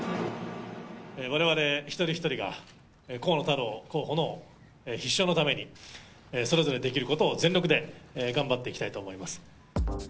われわれ一人一人が、河野太郎候補の必勝のために、それぞれできることを全力で頑張っていきたいと思います。